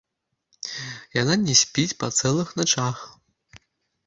Яна не спіць па цэлых начах.